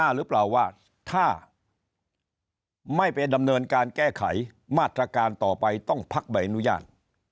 หรือเปล่าว่าถ้าไม่ไปดำเนินการแก้ไขมาตรการต่อไปต้องพักใบอนุญาต